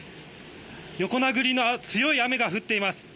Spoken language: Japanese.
横殴りの強い雨が降っています。